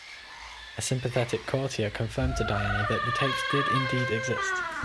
A sympathetic courtier confirmed to Diana that the tapes did indeed exist.